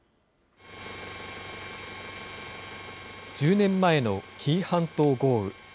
１０年前の紀伊半島豪雨。